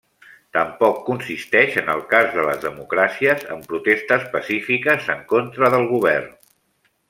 Tampoc consisteix en el cas de les democràcies en protestes pacífiques en contra del govern.